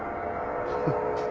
フッ。